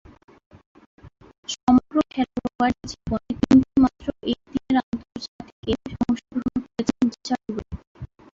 সমগ্র খেলোয়াড়ী জীবনে তিনটিমাত্র একদিনের আন্তর্জাতিকে অংশগ্রহণ করেছেন রিচার্ড ওয়েব।